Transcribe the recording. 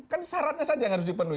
kan syaratnya saja yang harus dipenuhi